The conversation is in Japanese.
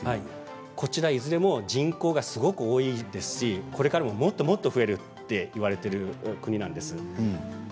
こちらはいずれも人口がすごく多いですしこれからももっともっと増えるといわれている国なんです。